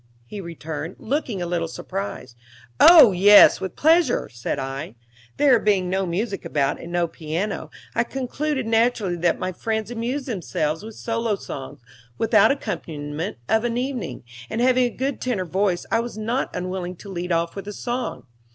he returned, looking a little surprised. "Oh yes, with pleasure," said I. There being no music about, and no piano, I concluded naturally that my friends amused themselves with solo songs without accompaniment of an evening, and having a good tenor voice I was not unwilling to lead off with a song.